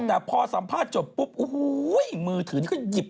แต่พอสัมภาษณ์จบปุ๊บโอ้โหมือถือนี่ก็หยิบ